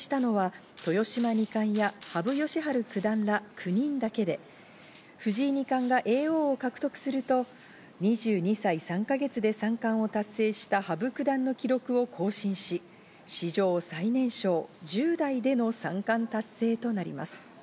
これまで三冠を達成したのは豊島二冠や羽生善治九段ら９人だけで、藤井二冠が叡王を獲得すると２２歳３か月で三冠を達成した羽生九段の記録を更新し、史上最年少１０代での三冠達成となります。